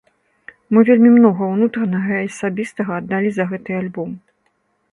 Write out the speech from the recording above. Мы вельмі многа ўнутранага і асабістага аддалі за гэты альбом.